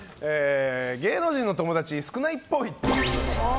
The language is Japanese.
芸能人の友だち少ないっぽい。